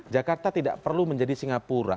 jakarta tidak perlu menjadi singapura